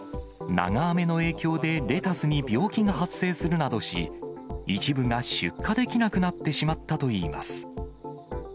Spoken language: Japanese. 長雨の影響でレタスに病気が発生するなどし、一部が出荷できなくなってしまったといいます。